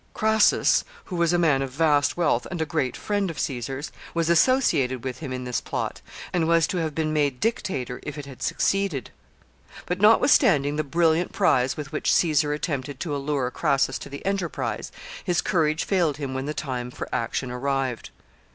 Crassus, who was a man of vast wealth and a great friend of Caesar's, was associated with him in this plot, and was to have been made dictator if it had succeeded. But, notwithstanding the brilliant prize with which Caesar attempted to allure Crassus to the enterprise, his courage failed him when the time for action arrived.